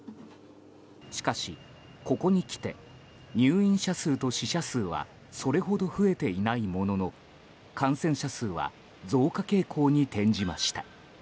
しかし、ここにきて入院者数と死者数はそれほど増えていないものの感染者数は増加傾向に転じました。